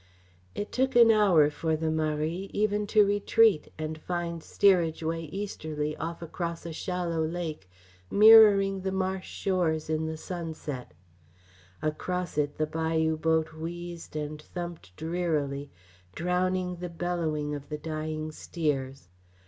It took an hour for the Marie even to retreat and find steerage way easterly off across a shallow lake, mirroring the marsh shores in the sunset. Across it the bayou boat wheezed and thumped drearily, drowning the bellowing of the dying steers.